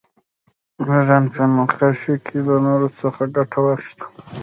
رامبراند په نقاشۍ کې له نور څخه ګټه واخیسته.